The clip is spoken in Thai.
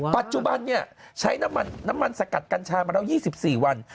ปัจจุบันนี่ใช้น้ำมันสะกัดกัญชามาแล้วยี่สิบสี่วัน